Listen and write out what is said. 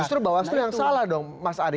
itu salah dong mas ari